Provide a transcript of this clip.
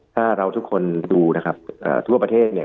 ถ้าเราทุกคนดูนะครับทั่วประเทศเนี่ย